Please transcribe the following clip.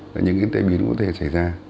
là những cái tệ biến có thể xảy ra